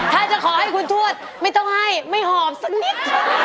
ถ้าจะขอให้คุณทวดไม่ต้องให้ไม่หอมสักนิด